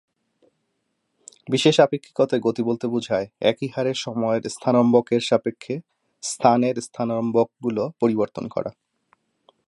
বিশেষ আপেক্ষিকতায় গতি বলতে বোঝায়, একই হারে সময়ের স্থানম্বরকের সাপেক্ষে স্থানের স্থানম্বরকগুলো পরিবর্তন করা।